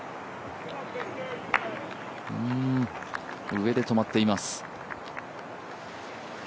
上で止まっています。